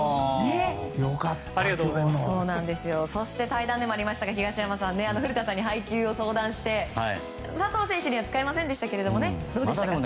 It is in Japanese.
対談でもありましたが東山さん古田さんに配球を相談して佐藤さんには使いませんでしたがどうでした？